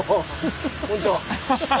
こんちは。